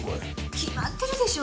決まってるでしょう